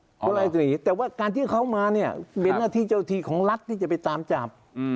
คนร้ายอาจจะหนีแต่ว่าการที่เข้ามาเนี่ยเบนหน้าที่เจ้าทีของรัฐที่จะไปตามจับ